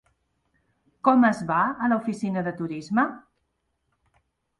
Com es va a l'Oficina de turisme?